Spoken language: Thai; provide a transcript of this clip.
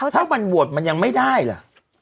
ถ้ามันโหวตมันยังไม่ได้ล่ะ